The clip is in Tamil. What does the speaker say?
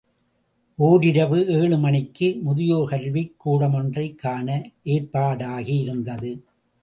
ஒரிரவு ஏழு மணிக்கு, முதியோர் கல்விக் கூடமொன்றைக் காண ஏற்பாடாகி இருந்தது.